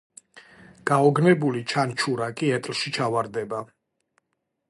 გაოგნებული ჩანჩურა კი ეტლში ჩავარდება.